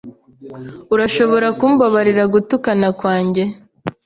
Urashobora kumbabarira gutukana kwanjye